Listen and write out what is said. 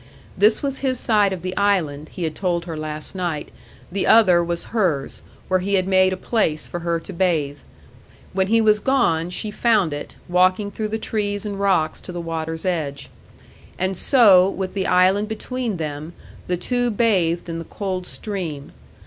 This was his side of the island, he had told her last night; the other was hers, where he had made a place for her to bathe. When he was gone, she found it, walking through the trees and rocks to the water's edge. And so, with the island between them, the two bathed in the cold stream.